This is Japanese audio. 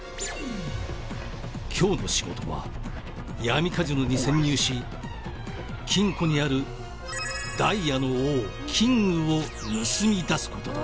「今日の仕事は闇カジノに潜入し」「金庫にあるダイヤの王」「「ＫＩＮＧ」を盗み出すことだ」